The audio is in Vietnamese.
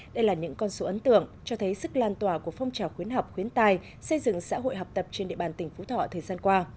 đây là những con số ấn tượng cho thấy sức lan tỏa của phong trào khuyến học khuyến tài xây dựng xã hội học tập trên địa bàn tỉnh phú thọ thời gian qua